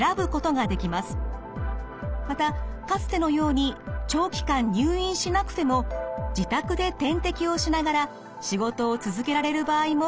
またかつてのように長期間入院しなくても自宅で点滴をしながら仕事を続けられる場合も増えてきました。